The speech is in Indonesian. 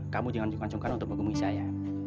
kamu jangan cungkan cungkan untuk mengumumi saya